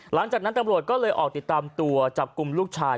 หลังจากนั้นตำรวจก็เลยออกติดตามตัวจับกลุ่มลูกชาย